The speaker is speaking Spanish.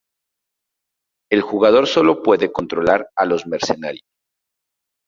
El jugador sólo puede controlar a los mercenarios.